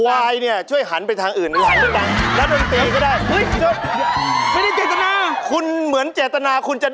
ควายนี่ช่วยหันไปทางอื่นหันไปทางหลัง